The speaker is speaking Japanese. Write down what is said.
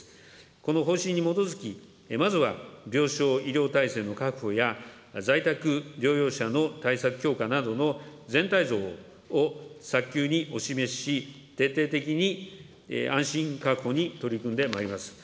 この方針に基づき、まずは病床医療体制の確保や、在宅療養者の対策強化などの全体像を早急にお示しし、徹底的に安心確保に取り組んでまいります。